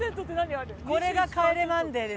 これが『帰れマンデー』ですよ。